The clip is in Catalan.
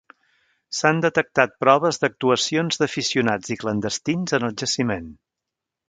S'han detectat proves d'actuacions d'aficionats i clandestins en el jaciment.